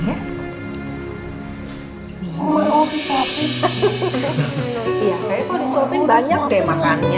iya kayaknya kalau disopin banyak deh makannya